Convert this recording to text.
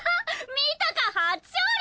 見たか初勝利！